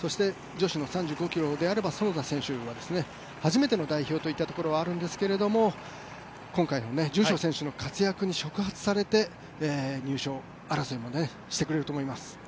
そして女子の３５ｋｍであれば園田選手が初めての代表といったところはあるんですが今回の住所選手の活躍に触発されて入賞争いもしてくれると思います。